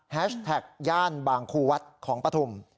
แท็กย่านบางครูวัดของปฐุม